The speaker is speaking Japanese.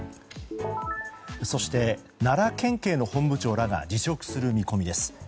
そして、奈良県警の本部長らが辞職する見込みです。